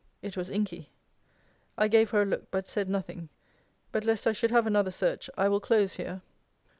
It was inky. I gave her a look; but said nothing. But, lest I should have another search, I will close here.